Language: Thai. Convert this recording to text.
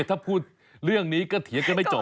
ถ้าพูดเรื่องนี้ก็เถียงกันไม่จบ